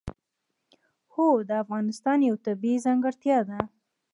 هوا د افغانستان یوه طبیعي ځانګړتیا ده.